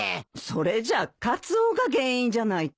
それじゃカツオが原因じゃないか。